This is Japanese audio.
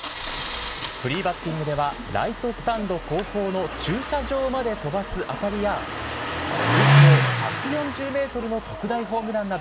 フリーバッティングでは、ライトスタンド後方の駐車場まで飛ばす当たりや、推定１４０メートルの特大ホームランなど、